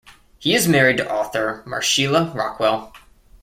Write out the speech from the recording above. He is married to author Marsheila Rockwell.